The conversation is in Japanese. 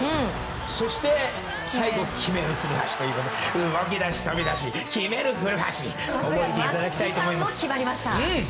そして、最後決めるフルハシということで動き出し、飛び出し決めるフルハシを覚えていただきたいと思います。